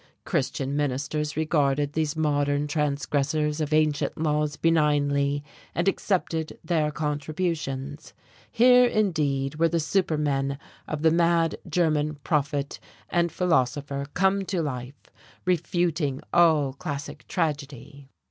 Christian ministers regarded these modern transgressors of ancient laws benignly and accepted their contributions. Here, indeed, were the supermen of the mad German prophet and philosopher come to life, refuting all classic tragedy.